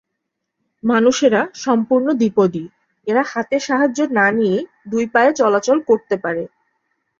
মানুষেরা সম্পূর্ণ দ্বিপদী; এরা হাতের সাহায্য না নিয়েই দুই পায়ে চলাচল করতে পারে।